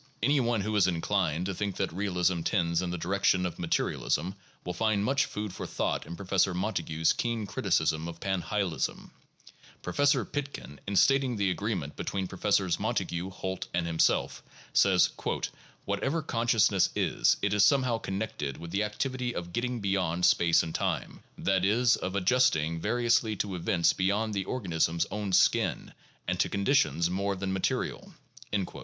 Any one who is inclined to think that realism tends in the direc tion of materialism will find much food for thought in Professor Montague's keen criticisms of panhylism (pp. 269 272, and 277). Professor Pitkin in stating the agreement between Professors Mon tague, Holt, and himself says: "Whatever consciousness is, it is somehow connected with the activity of getting 'beyond space and time'; that is, of adjusting variously to events beyond the organ ism's own skin and to conditions more than material" (p. 485).